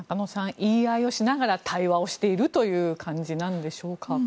言い合いをしながら対話をしているという感じなんでしょうか。